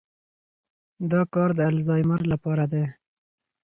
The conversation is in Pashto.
دا کار د الزایمر لپاره دی.